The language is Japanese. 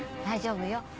大丈夫よ。